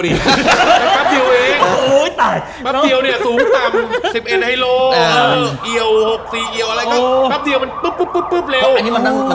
เลียวเพียง๙๐นาที